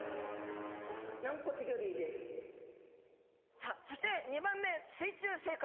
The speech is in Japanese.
さあそして２番目水中生活。